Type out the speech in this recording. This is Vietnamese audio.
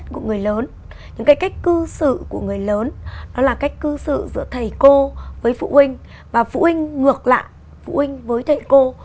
cách cư xử của người lớn đó là cách cư xử giữa thầy cô với phụ huynh và phụ huynh ngược lại phụ huynh với thầy cô